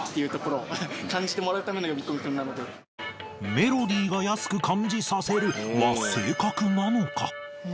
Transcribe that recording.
「メロディーが安く感じさせる」は正確なのか？